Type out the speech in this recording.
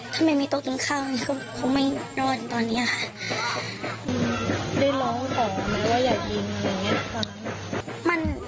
ถ้าไม่มีโต๊ะกินข้าวเขาไม่นอนตอนนี้ค่ะ